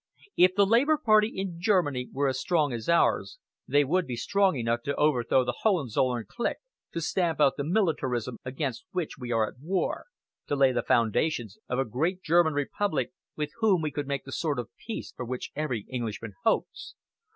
"If the Labour Party in Germany were as strong as ours, they would be strong enough to overthrow the Hohenzollern clique, to stamp out the militarism against which we are at war, to lay the foundations of a great German republic with whom we could make the sort of peace for which every Englishman hopes.